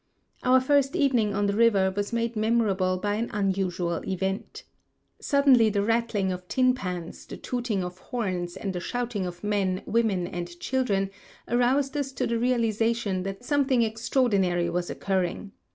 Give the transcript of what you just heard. Our first evening on the river was made memorable by an unusual event. Suddenly the rattling of tin pans, the tooting of horns, and the shouting of men, women, and children, aroused us to the realization that something extraordinary was occurring.